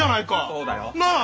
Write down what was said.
そうだよ。なあ？